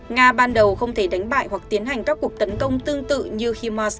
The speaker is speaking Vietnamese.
nga ban đầu không thể đánh bại hoặc tiến hành các cuộc tấn công tương tự như himach